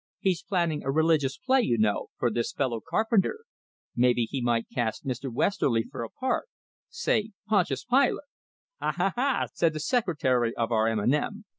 He's planning a religious play, you know, for this fellow Carpenter. Maybe he might cast Mr. Westerly for a part say Pontius Pilate." "Ha, ha, ha!" said the secretary of our "M. and M."